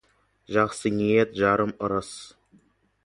Жақсы ниет — жарым ырыс.